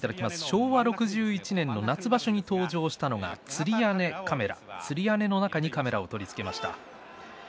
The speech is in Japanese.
昭和６１年の夏場所に登場したのがつり屋根カメラつり屋根の中にカメラを取り付けました。